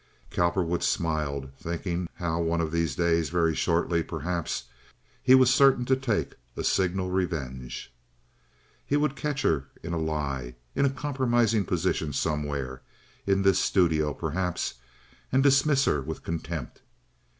Cowperwood smiled, thinking how one of these days—very shortly, perhaps—he was certain to take a signal revenge. He would catch her in a lie, in a compromising position somewhere—in this studio, perhaps—and dismiss her with contempt.